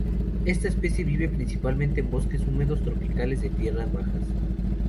Esta especie vive principalmente en bosques húmedos tropicales de tierras bajas.